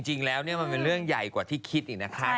จริงแล้วมันเป็นเรื่องใหญ่กว่าที่คิดอีกนะคะ